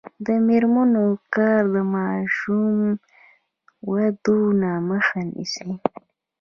د میرمنو کار د ماشوم ودونو مخه نیسي.